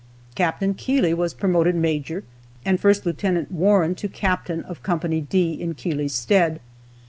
Capt. Keeley was promoted Major, and first Lieutenant Warren to Captain of Co. D in Keeley's stead.